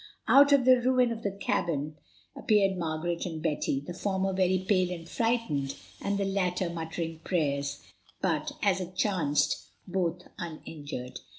Out of the ruin of the cabin appeared Margaret and Betty, the former very pale and frightened, and the latter muttering prayers, but, as it chanced, both uninjured.